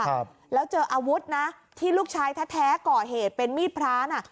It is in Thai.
ครับแล้วเจออาวุธนะที่ลูกชายแท้แท้ก่อเหตุเป็นมีดพระน่ะ